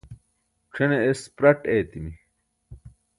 c̣ʰen es praṭ eetimi